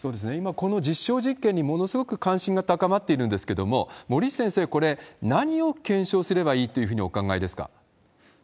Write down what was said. この実証実験に今、すごく関心が高まっているんですけれども、森内先生、これ、何を検証すればいいっていうふうにお考えですか。